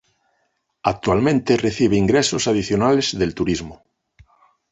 Actualmente recibe ingresos adicionales del turismo.